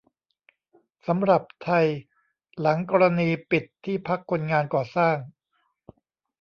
สำหรับไทย หลังกรณีปิดที่พักคนงานก่อสร้าง